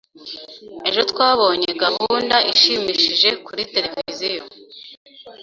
Ejo twabonye gahunda ishimishije kuri tereviziyo.